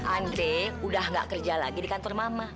andre udah gak kerja lagi di kantor mama